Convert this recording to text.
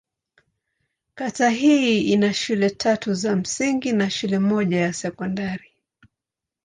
Kata hii ina shule tatu za msingi na shule moja ya sekondari.